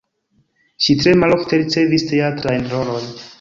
Ŝi tre malofte ricevis teatrajn rolojn.